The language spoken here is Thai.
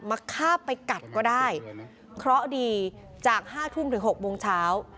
ข้าบไปกัดก็ได้เคราะห์ดีจากห้าทุ่มถึง๖โมงเช้า